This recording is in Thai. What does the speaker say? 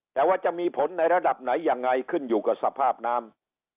แต่ว่าจะมีผลในระดับไหนยังไงขึ้นอยู่กับสภาพน้ำ